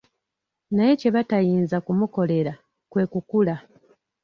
Naye kye batayinza kumukolera, kwe kukula.